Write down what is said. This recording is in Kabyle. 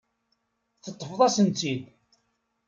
Teṭṭfeḍ-asen-tt-id.